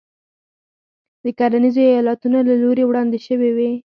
د کرنیزو ایالتونو له لوري وړاندې شوې وې.